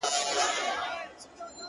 چي سره ورسي مخ په مخ او ټينگه غېږه وركړي؛